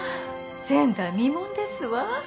前代未聞ですわ。